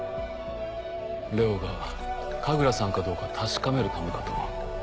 ＬＥＯが神楽さんかどうか確かめるためかと。